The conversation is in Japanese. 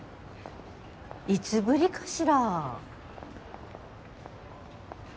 いつぶりかしら。